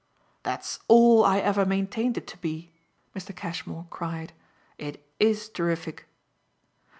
"That's all I ever maintained it to be!" Mr. Cashmore cried. "It IS terrific."